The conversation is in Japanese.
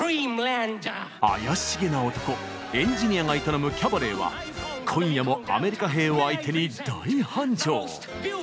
怪しげな男エンジニアが営むキャバレーは今夜もアメリカ兵を相手に大繁盛。